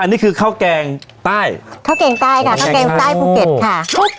อันนี้คือข้าวแกงใต้ข้าวแกงใต้ค่ะข้าวแกงใต้ภูเก็ตค่ะ